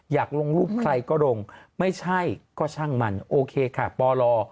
อยากลงรูปใครก็ลงไม่ใช่ก็ช่างมันโอเคค่ะปล